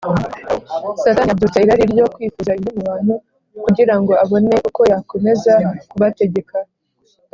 . Satani abyutsa irari ryo kwifuza ibibi mu bantu, kugira ngo abone uko yakomeza kubategeka